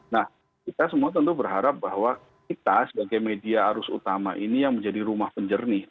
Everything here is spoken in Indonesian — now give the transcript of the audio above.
nah kita semua tentu berharap bahwa kita sebagai media arus utama ini yang menjadi rumah penjernih